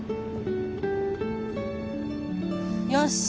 よし！